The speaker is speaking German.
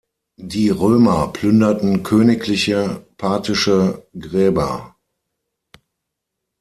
Die Römer plünderten königliche parthische Gräber.